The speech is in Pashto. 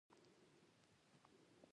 دا بنا د اوسنو په خبره آبجکټیف تغییراتو ده.